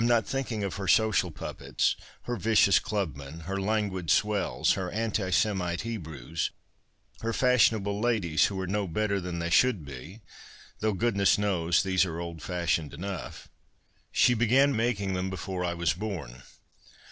Vn\ not thinkin<f of her social puppets, her vicious clubmen, her languid swells, her anti Semite Hebrews, her fashionable ladies who are no better than they should be thoutrh, goodness knows, these are old fashioned enough. She began making them before I was born."